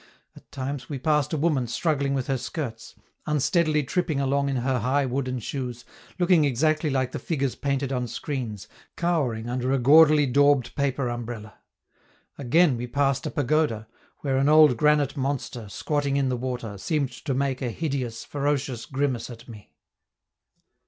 At times we passed a woman struggling with her skirts, unsteadily tripping along in her high wooden shoes, looking exactly like the figures painted on screens, cowering under a gaudily daubed paper umbrella. Again, we passed a pagoda, where an old granite monster, squatting in the water, seemed to make a hideous, ferocious grimace at me.